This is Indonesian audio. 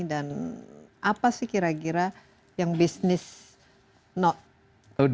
dan apa sih kira kira yang bisnis not